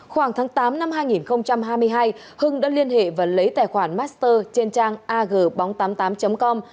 khoảng tháng tám năm hai nghìn hai mươi hai hưng đã liên hệ và lấy tài khoản master trên trang ag bóng tám mươi tám com